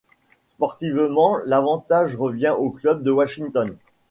Sportivement, l'avantage revient au club de Washington.